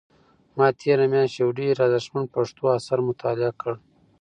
ما تېره میاشت یو ډېر ارزښتمن پښتو اثر مطالعه کړ.